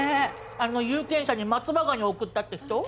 あの有権者に松葉ガニ贈ったって人？